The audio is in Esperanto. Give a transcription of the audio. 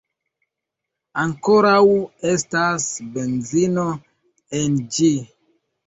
Ankoraŭ estas benzino en ĝi